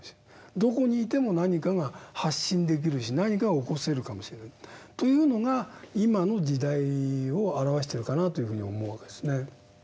どこにいても何かが発信できるし何かを起こせるかもしれないというのが今の時代を表してるかなというふうに思うわけですね。